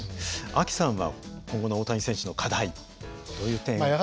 ＡＫＩさんは今後の大谷選手の課題どういう点考えて。